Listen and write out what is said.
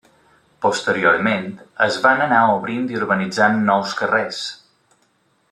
Posteriorment, es van anar obrint i urbanitzant nous carrers.